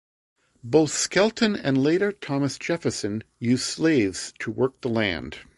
Both Skelton and later Thomas Jefferson used slaves to work the land.